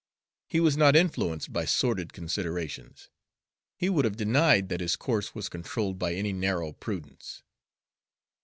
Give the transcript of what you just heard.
He was not influenced by sordid considerations; he would have denied that his course was controlled by any narrow prudence.